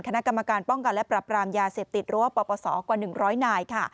คณะกรรมการป้องกันและประพรามยาเสพติดรั้วประปสกว่าหนึ่งร้อยนาย